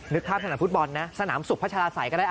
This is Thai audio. ข้ามสนามฟุตบอลนะสนามสุขพัชราศัยก็ได้